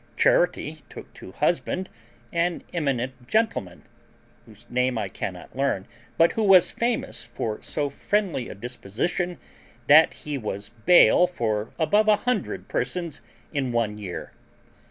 Charity took to husband an eminent gentleman, whose name I cannot learn, but who was famous for so friendly a disposition that he was bail for above a hundred persons in one year.